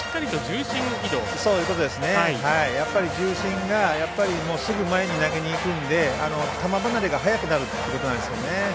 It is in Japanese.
重心がすぐ前に投げにいくので球離れが早くなるということなんですよね。